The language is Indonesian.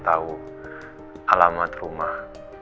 tahu alamat rumah